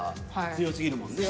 強すぎるもんね。